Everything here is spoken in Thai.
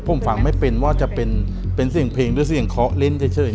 ผมฟังไม่เป็นว่าจะเป็นเสียงเพลงหรือเสียงเคาะเล่นเฉย